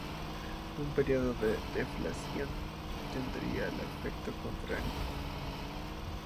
Un período de deflación tendría el efecto contrario.